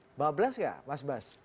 kebablasan tidak mas bas